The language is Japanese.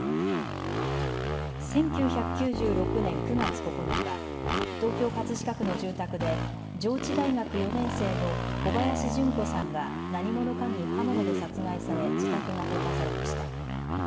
１９９６年９月９日、東京葛飾区の住宅で上智大学４年生の小林順子さんが何者かに刃物で殺害され自宅が放火されました。